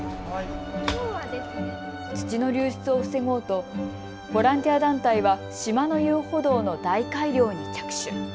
土の流出を防ごうとボランティア団体は島の遊歩道の大改良に着手。